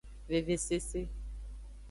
Vevesese.